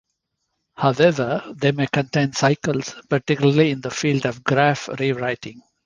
However, they may contain cycles, particularly in the field of graph rewriting.